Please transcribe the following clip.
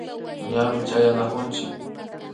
Ñami chayanakunchik